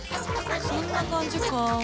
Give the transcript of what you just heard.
そんな感じか。